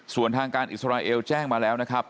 ส่วนทางการอิสราเอลแจ้งมาแล้วนะครับ